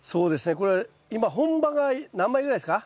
これ今本葉が何枚ぐらいですか？